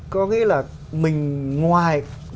có nghĩa là mình ngoài